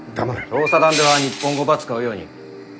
調査団では日本語ば使うように。